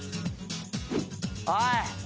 おい。